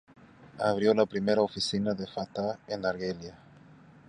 Abrió la primera oficina de Fatah en Argelia.